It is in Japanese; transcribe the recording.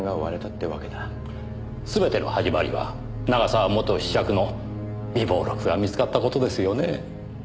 全ての始まりは永沢元子爵の備忘録が見つかった事ですよねぇ。